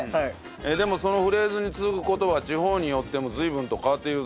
でもそのフレーズに続く言葉が地方によっても随分と変わっているそうです。